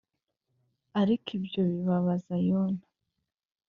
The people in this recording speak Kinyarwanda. Ariko ibyo bibabaza Yona